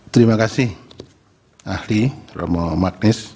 terima kasih ahli roma magnis